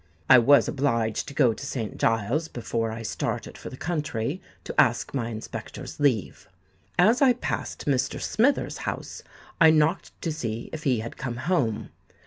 I was obliged to go to St. Giles's, before I started for the country, to ask my Inspector's leave. As I passed by Mr. Smithers' house, I knocked to see if he had come home.